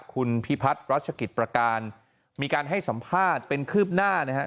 คุณพิพัฒน์รัชกิจประการมีการให้สัมภาษณ์เป็นคืบหน้านะฮะ